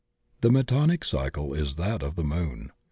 "The Metonic cycle is that of the Moon.